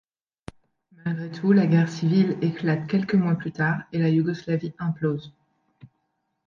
Malgré tout, la guerre civile éclate quelques mois plus tard et la Yougoslavie implose.